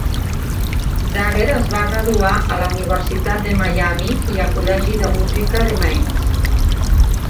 Zager es va graduar a la Universitat de Miami i a col·legi de música de Mannes.